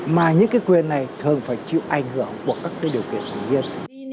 mà những quyền này thường phải chịu ảnh hưởng của các điều kiện tự nhiên